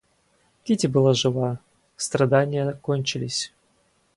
Кити была жива, страдания кончились.